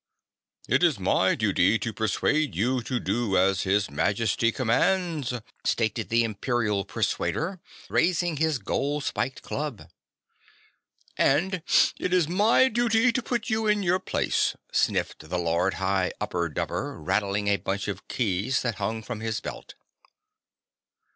"It is my duty to persuade you to do as his Majesty commands," stated the Imperial Persuader, raising his gold spiked club. "And it is MY duty to put you in your place," sniffed the Lord High Upper Dupper rattling a bunch of keys that hung from his belt.